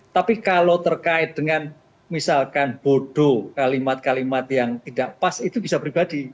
tapi kalau terkait dengan misalkan bodoh kalimat kalimat yang tidak pas itu bisa pribadi